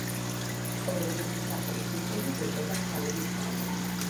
სწორედ მისი სახელის მიხედვით ეწოდა ჰალეის კომეტა.